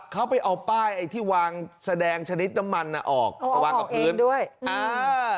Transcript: เขาไปเอาป้ายไอ้ที่วางแสดงชนิดน้ำมันน่ะออกมาวางกับพื้นด้วยอ่า